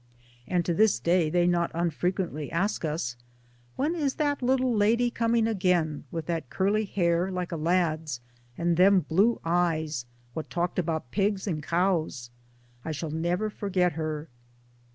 And to this day they not unfrequently ask us, " When is that little lady coming again, with that curly hair, like a lad's, and them blue eyes, what talked about pigs and cows? I shall never forget her."